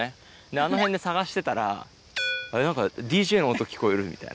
あの辺で探してたら、あれ、なんかＤＪの音、聞こえるみたいな。